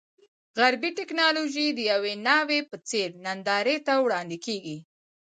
غربي ټکنالوژي د یوې ناوې په څېر نندارې ته وړاندې کېږي.